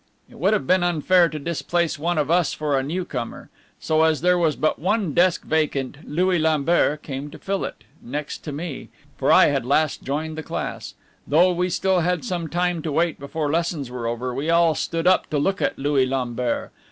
It would have been unfair to displace one of us for a newcomer; so as there was but one desk vacant, Louis Lambert came to fill it, next to me, for I had last joined the class. Though we still had some time to wait before lessons were over, we all stood up to look at Louis Lambert.